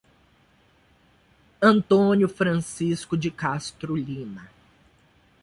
Antônio Francisco de Castro Lima